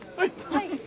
はい。